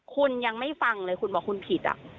คุณยังไม่ฟังเลยคุณบอกคุณผิด